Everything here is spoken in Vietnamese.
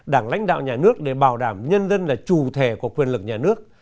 đảng lãnh đạo nhà nước để bảo đảm nhân dân là trù thề của quyền lực nhà nước